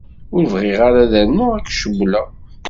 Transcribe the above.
Ur bɣiɣ ara ad rnuɣ ad k-cewwleɣ.